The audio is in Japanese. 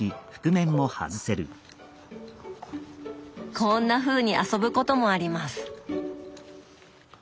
こんなふうに遊ぶこともあります。